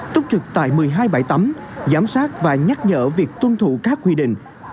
túc trực tại một mươi hai bãi tắm giám sát và nhắc nhở việc tuân thủ các quy định